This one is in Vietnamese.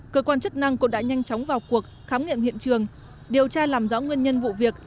cơ quan chức năng cũng đã nhanh chóng vào cuộc khám nghiệm hiện trường điều tra làm rõ nguyên nhân vụ việc